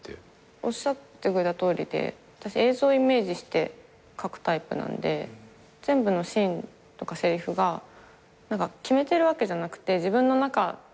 おっしゃってくれたとおりで私映像イメージして書くタイプなんで全部のシーンとかせりふが決めてるわけじゃなくて自分の中のカット割りとかがあるんですよ